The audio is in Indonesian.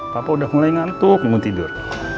papa udah mulai ngantuk mau tidur